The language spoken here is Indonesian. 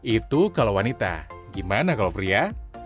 itu kalau wanita gimana kalau pria